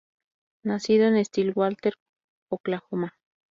Nacido en Stillwater, Oklahoma.